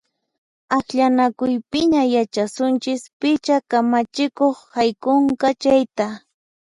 Akllanakuypiña yachasunchis picha kamachikuq haykunqa chayta!